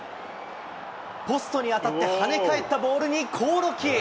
ポストに当たって跳ね返ったボールに興梠。